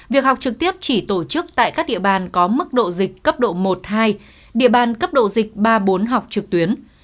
việc học trực tiếp chỉ tổ chức tại các địa bàn có mức độ dịch cấp độ một hai địa bàn cấp độ dịch ba bốn học trực tuyến